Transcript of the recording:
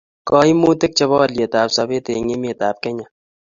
Koimutik chebo olyetab sobet eng emet ab Kenya